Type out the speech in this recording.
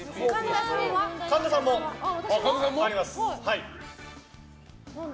神田さんもあります。